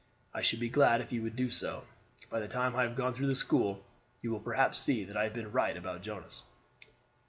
I should be glad if you would do so. By the time I have gone through the school, you will perhaps see that I have been right about Jonas."